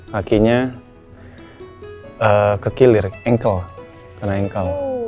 kakinya kekilir engkel